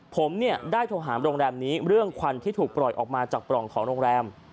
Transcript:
ผมเนี่ยได้โทรหาโรงแรมนี้เรื่องควันที่ถูกปล่อยออกมาจากปล่องของโรงแรม